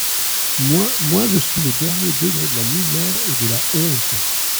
Moi, moi, je suis le dernier degré de la misère et de la honte.